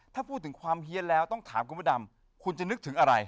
ถ้าพูดถึงความเฮียนแล้วต้องถามคุณพระดำคุณจะนึกถึงอะไร